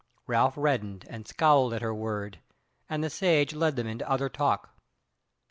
Ralph reddened and scowled at her word, and the Sage led them into the other talk.